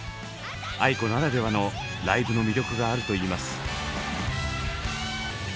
ａｉｋｏならではのライブの魅力があるといいます。